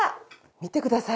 見てください